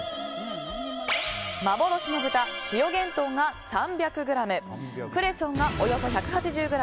幻の豚、千代幻豚が３００ｇクレソンがおよそ１８０ｇ